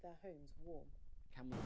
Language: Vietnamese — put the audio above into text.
giữ tay mạnh